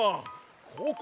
ここ！